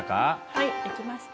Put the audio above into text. はいできました。